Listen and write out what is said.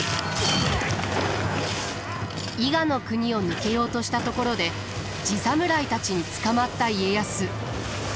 伊賀国を抜けようとしたところで地侍たちに捕まった家康。